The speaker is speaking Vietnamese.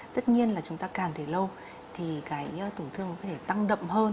tất nhiên là chúng ta càng để lâu thì cái tổn thương nó có thể tăng đậm hơn